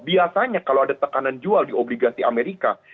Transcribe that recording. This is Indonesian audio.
biasanya kalau ada tekanan jual di obligasi amerika